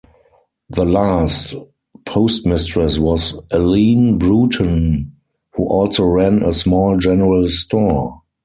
The last Postmistress was Allene Bruton, who also ran a small general store.